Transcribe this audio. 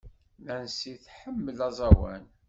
Nancy tḥemmel aẓawan.